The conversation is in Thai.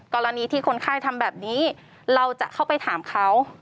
กรณีที่คนไข้ทำแบบนี้เราจะเข้าไปถามเขา